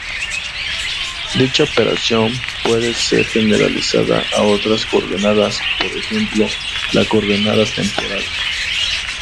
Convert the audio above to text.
Dicha operación puede ser generalizada a otras coordenadas, por ejemplo la coordenada temporal.